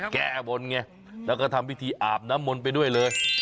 แก้บนไงแล้วก็ทำพิธีอาบน้ำมนต์ไปด้วยเลย